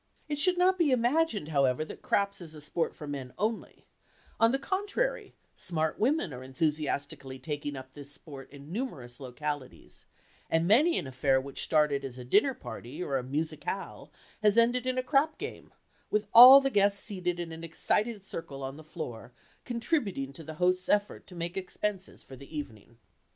It should not be imagined, however, that "craps" is a sport for men only; on the contrary, smart women are enthusiastically taking up this sport in numerous localities, and many an affair which started as a dinner party or a musicale has ended in a crap game, with all the guests seated in an excited circle on the floor, contributing to the host's efforts to make expenses for the evening.